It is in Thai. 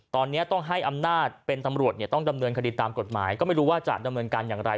ตอนนี้ต้องให้อำนาจเป็นตำรวจเนี่ยต้องดำเนินคดีตามกฎหมายก็ไม่รู้ว่าจะดำเนินการอย่างไร